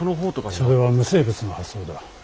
それは無生物の発想だ。